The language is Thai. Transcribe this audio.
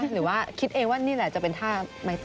หรือว่าคิดเองว่านี่แหละจะเป็นท่าไม้ตา